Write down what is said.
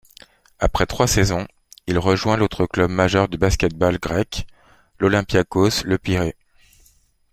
Après trois saisons, il rejoint l'autre club majeur du basket-ball grec, l'Olympiakós Le Pirée.